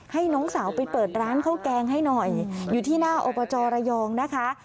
ให้น้องสาวไปเปิดร้านข้าวแกงให้หน่อยอยู่ที่หน้าอบจระยองนะคะ